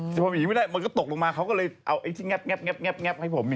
แต่ผมอย่างนี้ไม่ได้มันก็ตกลงมาเขาก็เลยเอาไอ้ที่แงบให้ผมอย่างนี้